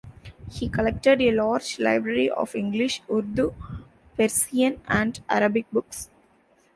He collected a large library of English, Urdu, Persian and Arabic books.